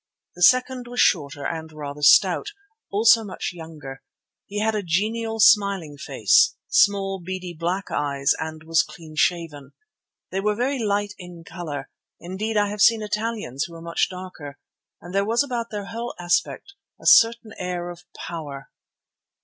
The second was shorter and rather stout, also much younger. He had a genial, smiling face, small, beady black eyes, and was clean shaven. They were very light in colour; indeed I have seen Italians who are much darker; and there was about their whole aspect a certain air of power.